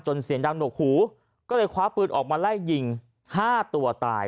เสียงดังหนวกหูก็เลยคว้าปืนออกมาไล่ยิง๕ตัวตาย